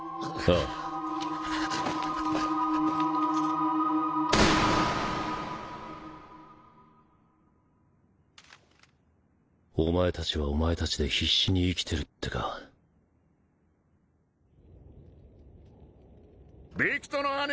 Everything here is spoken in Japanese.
銃声お前たちはお前たちで必死に生きて淵謄張法